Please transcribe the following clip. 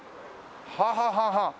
はあはあはあはあ。